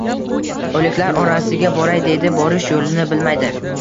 O’liklar orasiga boray deydi — borish yo‘lini bilmaydi.